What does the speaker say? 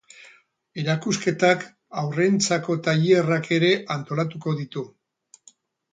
Erakusketak haurrentzako tailerrak ere antolatuko ditu.